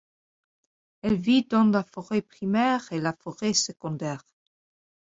Elle vit dans la forêt primaire et la forêt secondaire.